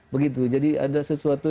begitu jadi ada sesuatu